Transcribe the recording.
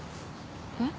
えっ？